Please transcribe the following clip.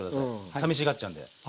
さみしがっちゃうんで。